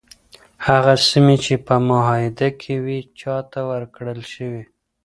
هغه سیمي چي په معاهده کي وي چاته ورکړل شوې؟